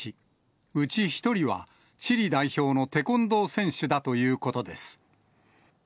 うち１人は、チリ代表のテコンドー選手だということです。